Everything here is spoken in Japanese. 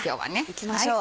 いきましょう。